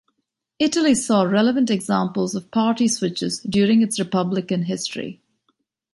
Italy saw relevant examples of party switches during its republican history.